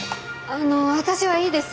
あの私はいいです。